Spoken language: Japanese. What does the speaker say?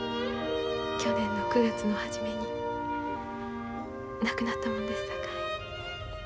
去年の９月の初めに亡くなったもんですさかい。